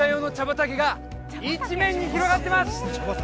畑が一面に広がってます